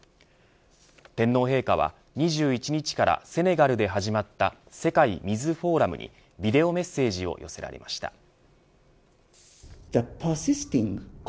天皇陛下は２１日からセネガルで始まった世界水フォーラムにビデオメッセージを寄せられました。